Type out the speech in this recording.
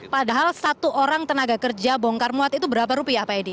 padahal satu orang tenaga kerja bongkar muat itu berapa rupiah pak edi